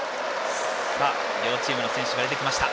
両チームの選手が出てきました。